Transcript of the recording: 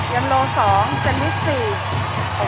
ยันโล๒จ๊ะแม่๔